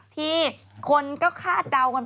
มีกระแสออกมาหนาหูมาก